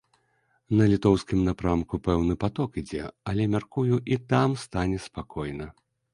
На літоўскім напрамку пэўны паток ідзе, але, мяркую, і там стане спакойна.